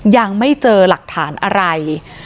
ยังไม่เจอหลักฐานอะไร